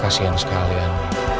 kasian sekali an